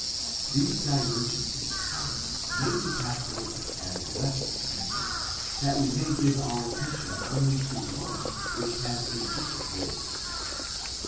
These divergencies however may be passed over as less essential, that we may 'give our attention only to one, which has a deeper hold.